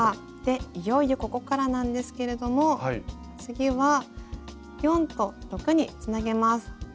いよいよここからなんですけれども次は４と６につなげます。